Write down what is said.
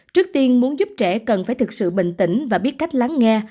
trước tiên muốn giúp trẻ cần phải thực sự bình tĩnh và biết cách lắng nghe